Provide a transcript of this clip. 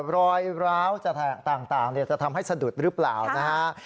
รอยร้าวต่างจะทำให้สะดุดหรือเปล่านะฮะ